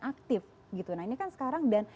aktif gitu nah ini kan sekarang dan